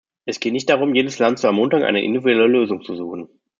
Es geht nicht darum, jedes Land zu ermuntern, eine individuelle Lösung zu suchen.